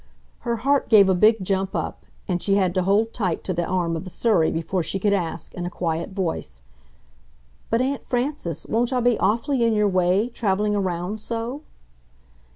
Her heart gave a big jump up, and she had to hold tight to the arm of the surrey before she could ask, in a quiet voice, "But, Aunt Frances, won't I be awfully in your way, traveling around so?"